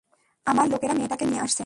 আমার লোকেরা মেয়েটাকে নিয়ে আসছে!